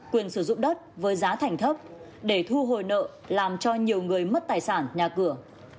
quyền sử dụng đất với giá thành thấp để thu hồi nợ làm cho nhiều người mất tài sản nhà cửa